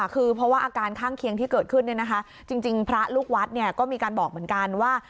คือเพราะว่าอาการข้างเคียงที่เกิดขึ้นจริงพระลูกวัดก็มีการบอกเหมือนกันว่า